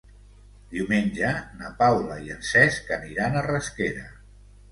Diumenge na Paula i en Cesc aniran a Rasquera.